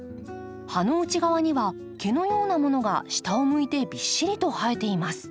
葉の内側には毛のようなものが下を向いてびっしりと生えています。